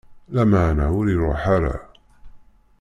Lameɛna ur iṛuḥ ara.